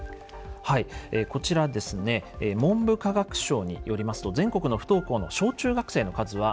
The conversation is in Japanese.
こちらですね文部科学省によりますと全国の不登校の小中学生の数は１８万人